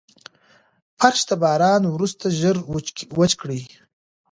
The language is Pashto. فرش د باران وروسته ژر وچ کړئ.